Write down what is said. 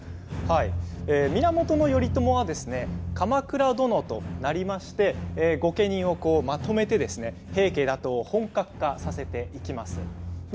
源頼朝は鎌倉殿となりまして御家人をまとめて平家打倒を本格化させていきます。